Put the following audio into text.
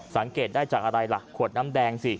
สังเกตได้จากอะไรล่ะขวดน้ำแดงสิ